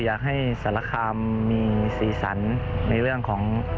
อยากให้สารคามมีสีสันในเรื่องของ